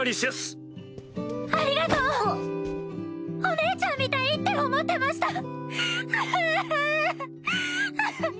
お姉ちゃんみたいって思ってました！